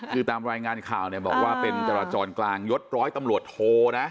คือตามรายงานข่าวเนี่ยบอกว่าเป็นจราจรกลางยดร้อยตำรวจโทนะ